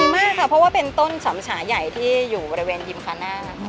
มากค่ะเพราะว่าเป็นต้นสำฉาใหญ่ที่อยู่บริเวณยิมพาน่า